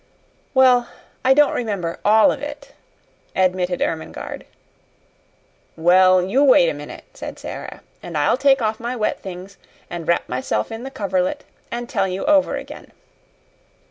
"Well, I don't remember ALL of it," admitted Ermengarde. "Well, you wait a minute," said Sara, "and I'll take off my wet things and wrap myself in the coverlet and tell you over again."